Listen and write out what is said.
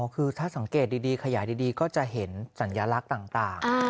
คือถ้าสังเกตดีขยายดีก็จะเห็นสัญลักษณ์ต่าง